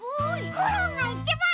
コロンがいちばん！